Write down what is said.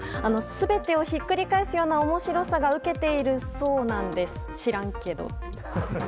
全てをひっくり返すような面白さが受けているそうなんです知らんけど。